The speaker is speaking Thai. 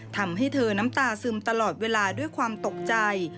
ทำให้เธอน้ำตาซึมตลอดเวลาด้วยความตกใจ